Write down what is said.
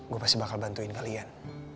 gue pasti bakal bantuin kalian